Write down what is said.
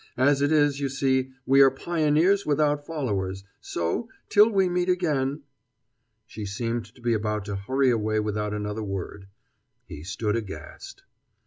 As it is, you see, we are pioneers without followers. So, till we meet again " She seemed to be about to hurry away without another word; he stood aghast.